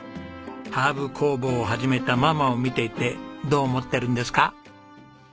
ハーブ工房を始めたママを見ていてどう思っているんですか？